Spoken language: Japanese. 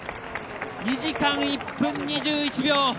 ２時間１分２１秒。